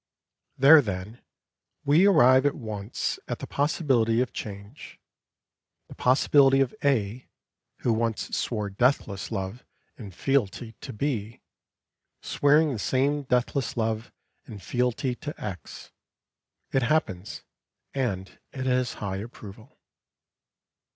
There, then, we arrive at once at the possibility of change; the possibility of A, who once swore deathless love and fealty to B, swearing the same deathless love and fealty to X. It happens, and it has high approval.